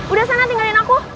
udah sana tinggalin aku